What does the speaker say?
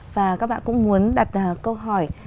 và các bạn cũng muốn đặt câu hỏi